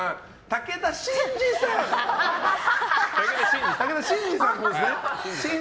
武田真治さんのほうですね？